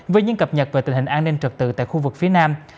với những cập nhật về tình hình an ninh trật tự tại khu vực phía nam